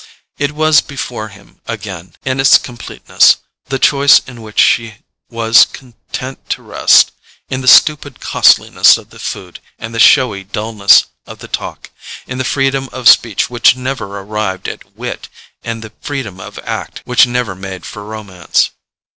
It was before him again in its completeness—the choice in which she was content to rest: in the stupid costliness of the food and the showy dulness of the talk, in the freedom of speech which never arrived at wit and the freedom of act which never made for romance.